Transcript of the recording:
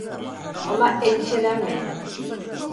Ama endişelenmeyin.